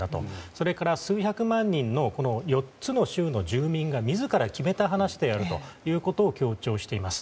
それから数百万人の４つの州の住民が自ら決めた話であるということを強調しています。